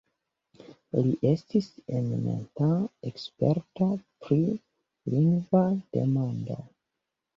Li estis eminenta eksperto pri lingvaj demandoj.